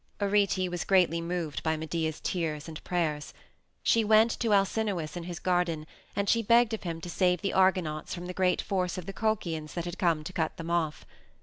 Arete was greatly moved by Medea's tears and prayers. She went to Alcinous in his garden, and she begged of him to save the Argonauts from the great force of the Colchians that had come to cut them off.